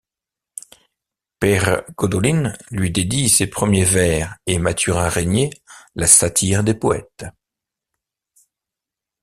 Pèire Godolin lui dédie ses premiers vers et Mathurin Régnier la Satire des poètes.